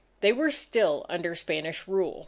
They were still under Spanish rule.